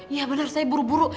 iya benar saya buru buru